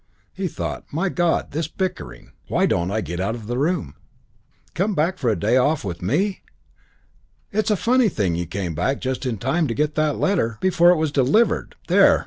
He thought, "My God, this bickering! Why don't I get out of the room?" "Come back for a day off with me! It's a funny thing you came back just in time to get that letter! Before it was delivered! There!